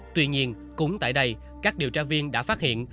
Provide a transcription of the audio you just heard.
tuy nhiên cũng tại đây các điều tra viên đã phát hiện